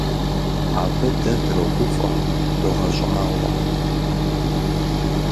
Абы дэ дрогуфӀэ, догъэщӀагъуэ.